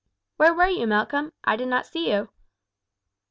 "Where were you, Malcolm? I did not see you."